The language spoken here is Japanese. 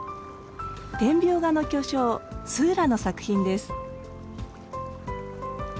点描画の巨匠スーラの作品です